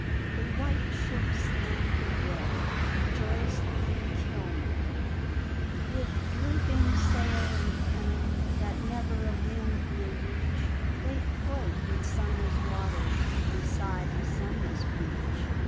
THE WHITE SHIPS AND THE RED : joycb KILMER With drooping sail and pennant That never a wind may reach, They float in sunless waters Beside a sunless beach.